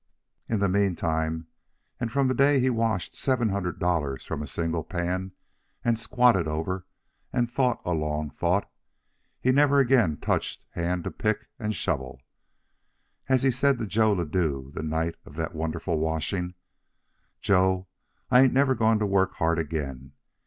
In the meantime, and from the day he washed seven hundred dollars from a single pan and squatted over it and thought a long thought, he never again touched hand to pick and shovel. As he said to Joe Ladue the night of that wonderful washing: "Joe, I ain't never going to work hard again.